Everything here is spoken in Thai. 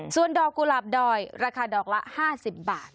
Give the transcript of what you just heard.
ส่วนดอกกุหลาบดอยราคาดอกละ๕๐บาท